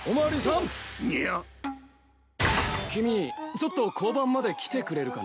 君ちょっと交番まで来てくれるかな？